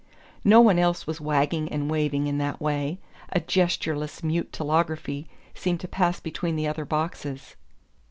No one else was wagging and waving in that way: a gestureless mute telegraphy seemed to pass between the other boxes.